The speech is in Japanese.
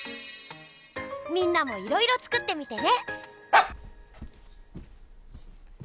みんなもいろいろつくってみてね！